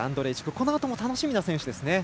このあとも楽しみな選手ですね。